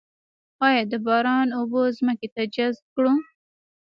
آیا د باران اوبه ځمکې ته جذب کړم؟